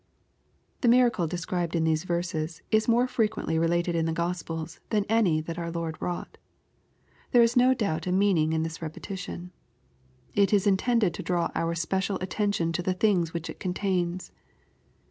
The miracle described in these verses is more frequently related in the Gospels than any that our Lord wrought. There is no doubt a meaning in this repetition. It is intended to draw our special attention to the things which it contains.